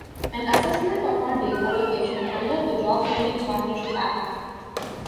An assessment of funding allo- cation under the Job Training Partnership Act.